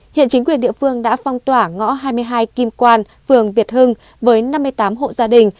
hiện chính quyền địa phương đã phong tỏa ngõ hai mươi hai kim quan phường việt hưng với năm mươi tám hộ gia đình